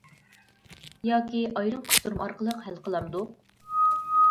ياكى ئايرىم قىستۇرما ئارقىلىق ھەل قىلامدۇق!